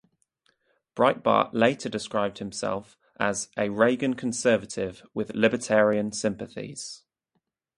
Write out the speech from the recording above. Breitbart later described himself as "a Reagan conservative" with libertarian sympathies.